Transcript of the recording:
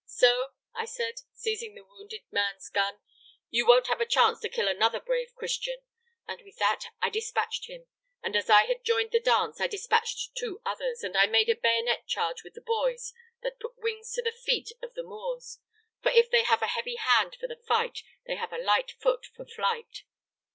'So?' I said, seizing the wounded man's gun; 'you won't have a chance to kill another brave Christian;' and with that I despatched him; and as I had joined the dance, I despatched two others, and I made a bayonet charge with the boys that put wings to the feet of the Moors, for if they have a heavy hand for the fight they have a light foot for flight.